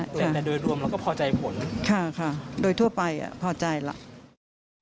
แต่โดยรวมเราก็พอใจผลค่ะโดยทั่วไปพอใจแล้ว